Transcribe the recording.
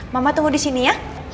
mama tunggu disini ya